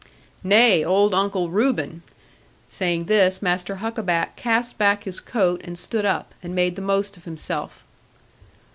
'Nay, old Uncle Reuben!' Saying this, Master Huckaback cast back his coat, and stood up, and made the most of himself.